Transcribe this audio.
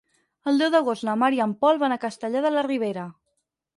El deu d'agost na Mar i en Pol van a Castellar de la Ribera.